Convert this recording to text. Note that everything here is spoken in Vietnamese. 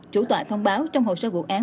chủ tọa thông báo trong hồ sơ vụ án